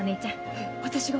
えっ私が？